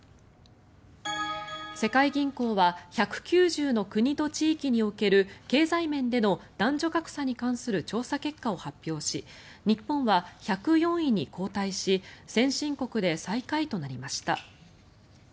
世界銀行は１９０の国と地域における経済面での男女格差に関する調査結果を発表し日本は１０４位に後退し先進国で最下位となりました。